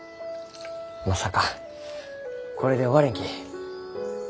まさかこれで終われんき。